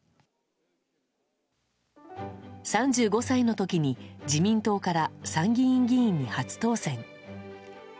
３５歳の時に自民党から参議院議員に初当選。